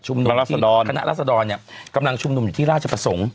หน้าราชลอนคานะราชลอนเนี้ยกำลังชุมนุมอยู่ที่ราชประสงค์